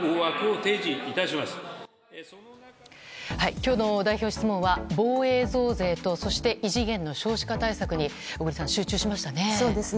今日の代表質問は、防衛増税とそして、異次元の少子化対策に小栗さん、集中しましたね。